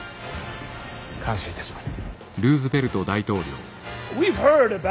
感謝いたします。